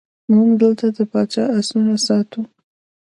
موږ دلته د پاچا آسونه ساتو.